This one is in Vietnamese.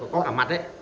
có cả mặt đấy